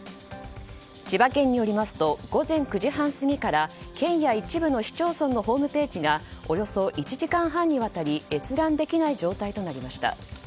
千葉県によりますと午前９時半過ぎから県や一部の市町村のホームページがおよそ１時間半にわたり閲覧できない状態となりました。